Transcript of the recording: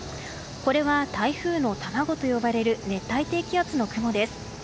これは台風の卵と呼ばれる熱帯低気圧の雲です。